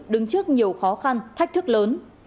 đứng trước nhiều khó khăn thách thức lớn